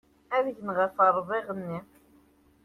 Ad gneɣ ɣef ṛṛbiɣ-nni.